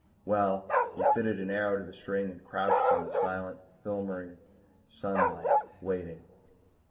Well he fitted an arrow to the string and crouched in the silent, flimmering sunlight, waiting.